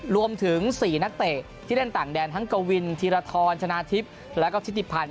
รวมถึง๔นักเตะที่เล่นต่างแดนทั้งกวินธีรทรชนะทิพย์แล้วก็ทิติพันธ